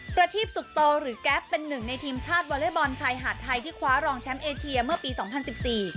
ประทีปสุขโตหรือแก๊ปเป็นหนึ่งในทีมชาติวอเล็กบอลชายหาดไทยที่คว้ารองแชมป์เอเชียเมื่อปีสองพันสิบสี่